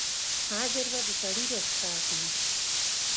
اجر به د سړي راڅخه اخلې.